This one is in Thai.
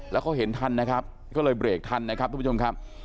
แล้วเขาเห็นทันนะครับก็เลยเบรกทันนะครับทุกผู้ชมครับ